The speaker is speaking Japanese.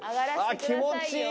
気持ちいい。